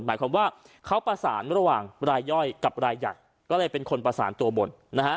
หมายความว่าเขาประสานระหว่างรายย่อยกับรายใหญ่ก็เลยเป็นคนประสานตัวบนนะฮะ